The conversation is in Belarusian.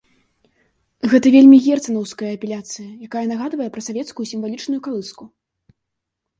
Гэта вельмі герцанаўская апеляцыя, якая нагадвае пра савецкую сімвалічную калыску.